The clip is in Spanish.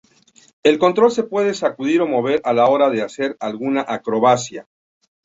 El control se puede sacudir o mover a la hora de hacer alguna acrobacia.